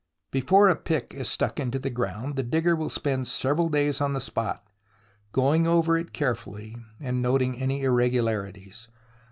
Before a pick is stuck into the ground, the digger will spend several days on the spot, going over it carefully, and noting any irregularities.